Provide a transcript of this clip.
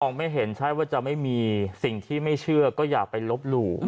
ไม่เห็นใช่ว่าจะไม่มีสิ่งที่ไม่เชื่อก็อย่าไปลบหลู่